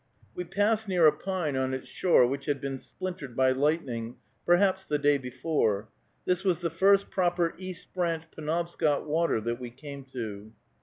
We passed near a pine on its shore which had been splintered by lightning, perhaps the day before. This was the first proper East Branch Penobscot water that we came to.